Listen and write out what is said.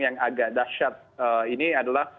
yang agak dahsyat ini adalah